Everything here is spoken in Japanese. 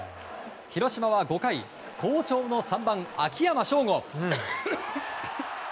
広島は５回好調の３番、秋山翔吾。